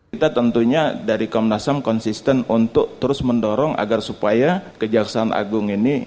kita tentunya dari komnas ham konsisten untuk terus mendorong agar supaya kejaksaan agung ini